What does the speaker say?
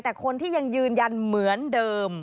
แต่คนที่ยังยืนยันเหมือนเดิม